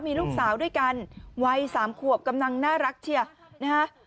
มีลูกสาวด้วยกันวัย๓ขวบกำลังน่ารักเชียร์นะฮะ